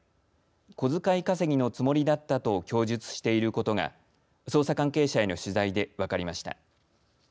小遣い稼ぎのつもりだったと供述していることが捜査関係者への取材で分かりました。